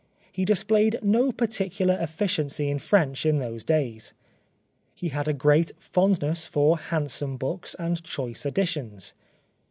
He displayed no particular efficiency in French in those days. He had a great fondness for handsome books and choice editions.